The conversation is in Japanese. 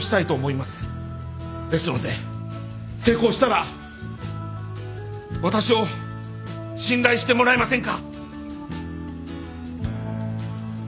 ですので成功したら私を信頼してもらえませんか。